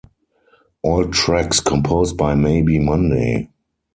All tracks composed by Maybe Monday.